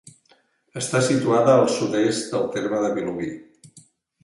Està situada al sud-est del terme de Vilobí.